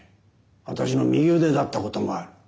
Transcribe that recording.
私の右腕だったこともある。